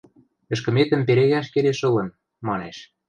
– Ӹшкӹметӹм перегӓш келеш ылын, – манеш.